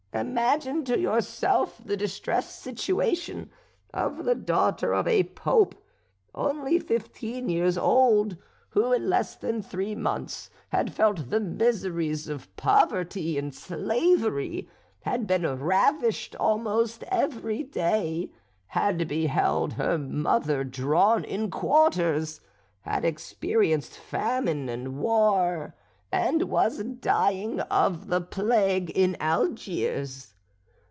Imagine to yourself the distressed situation of the daughter of a Pope, only fifteen years old, who, in less than three months, had felt the miseries of poverty and slavery, had been ravished almost every day, had beheld her mother drawn in quarters, had experienced famine and war, and was dying of the plague in Algiers.